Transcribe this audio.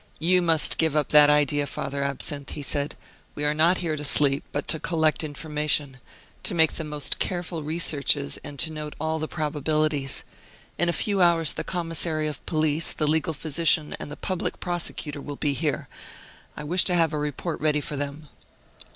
"You must give up that idea, Father Absinthe," he said, "we are not here to sleep, but to collect information to make the most careful researches, and to note all the probabilities. In a few hours the commissary of police, the legal physician, and the public prosecutor will be here. I wish to have a report ready for them."